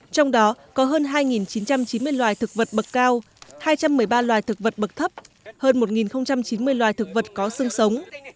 trong đó có hơn hai chín trăm chín mươi loài thực vật bậc cao hai trăm một mươi ba loài thực vật bậc thấp hơn một chín mươi loài thực vật có sương sống